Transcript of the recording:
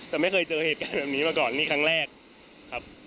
แต่ไม่เคยเจอเหตุการณ์แบบนี้มาก่อนนี่ครั้งแรกครับ